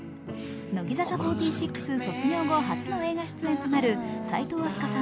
乃木坂４６卒業後初の映画出演となる齋藤飛鳥さん